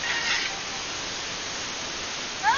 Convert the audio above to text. ډاکټره ولي اوږده پاڼه ړنګه کړې ده؟